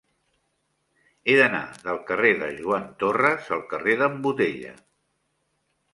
He d'anar del carrer de Joan Torras al carrer d'en Botella.